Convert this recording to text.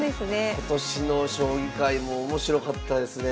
今年の将棋界も面白かったですね。